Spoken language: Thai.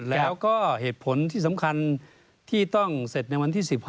แล้วก็เหตุผลที่สำคัญที่ต้องเสร็จในวันที่๑๕